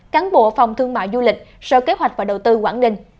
cán bộ phòng thương mại du lịch sở kế hoạch và đầu tư quảng ninh